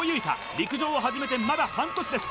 陸上を始めてまだ半年です